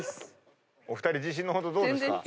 お二人自信の程どうですか？